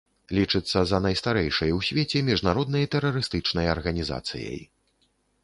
Лічыцца за найстарэйшай у свеце міжнароднай тэрарыстычнай арганізацыяй.